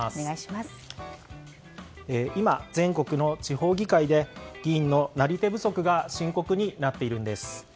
今、全国の地方議会で議員のなり手不足が深刻になっているんです。